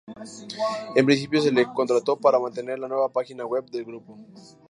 En principio se le contrató para mantener la nueva página web del grupo.